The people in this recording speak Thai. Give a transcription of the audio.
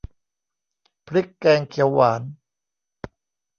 พริกแกงเขียวหวาน